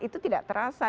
itu tidak terasa